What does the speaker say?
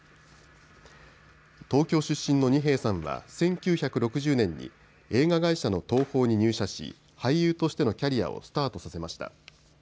東京出身の二瓶さんは１９６０年に映画会社の東宝に入社し俳優としてのキャリアをスタートさせました。